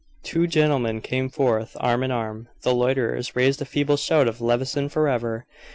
Two gentlemen came forth, arm in arm. The loiterers raised a feeble shout of "Levison forever!"